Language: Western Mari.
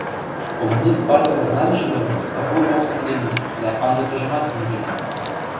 Коммунист Партин знамӹжы доно топлоток сӹнгеннӓ дӓ анзыкыжымат сӹнгенӓ...